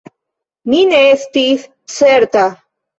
Mi ne estis certa.